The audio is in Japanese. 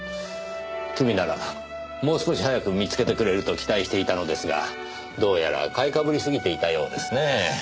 君ならもう少し早く見つけてくれると期待していたのですがどうやら買い被りすぎていたようですねぇ。